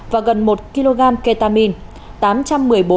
và gần một kg ketamine